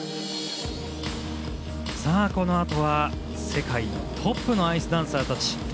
このあとは世界のトップのアイスダンサーたち。